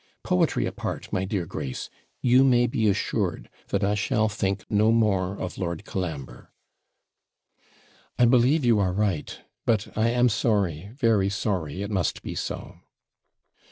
Poetry apart, my dear Grace, you may be assured that I shall think no more of Lord Colambre.' 'I believe you are right. But I am sorry, very sorry, it must be so.'